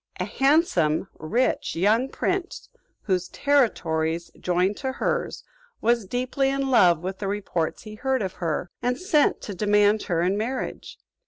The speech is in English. A handsome, rich, young prince, whose territories joined to hers, was deeply in love with the reports he heard of her, and sent to demand her in marriage.